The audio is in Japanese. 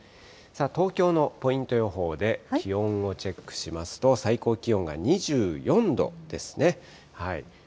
東京のポイント予報で、気温をチェックしますと、最高気温が２４度ですね。